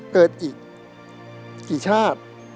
เกิดอีกกี่ชาติ